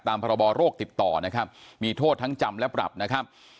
พรบโรคติดต่อนะครับมีโทษทั้งจำและปรับนะครับ